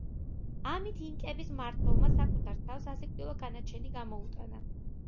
ამით, ინკების მმართველმა საკუთარ თავს სასიკვდილო განაჩენი გამოუტანა.